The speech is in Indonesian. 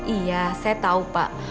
iya saya tahu pak